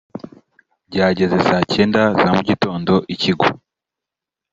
byageze saa cyenda za mu gitondo ikigwa